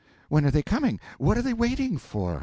When are they coming? What are they waiting for?